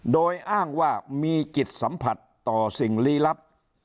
โดยอ้างว่ามีจิตสัมผัสต่อสิ่งลี้ลับ